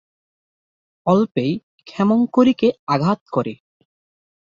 অল্পেই ক্ষেমংকরীকে আঘাত করে।